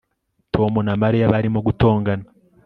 Tom na Mariya barimo gutongana